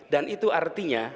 dan itu artinya